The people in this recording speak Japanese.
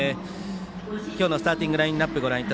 今日のスターティングラインナップです。